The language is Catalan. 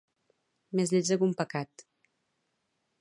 Més lletja que un pecat